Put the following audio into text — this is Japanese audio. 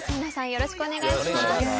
よろしくお願いします。